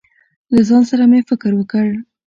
له ځان سره مې فکر وکړ.